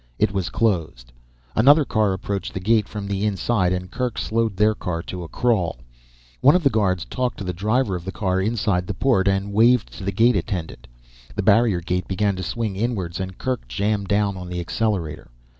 It was closed. Another car approached the gate from the inside and Kerk slowed their car to a crawl. One of the guards talked to the driver of the car inside the port, then waved to the gate attendant. The barrier gate began to swing inwards and Kerk jammed down on the accelerator.